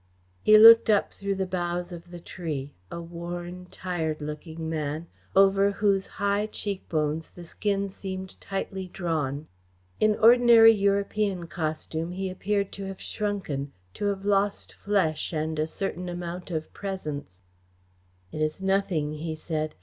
He looked up through the boughs of the tree; a worn, tired looking man, over whose high cheek bones the skin seemed tightly drawn. In ordinary European costume he appeared somehow to have shrunken, to have lost flesh and a certain amount of presence. "It is nothing," he said.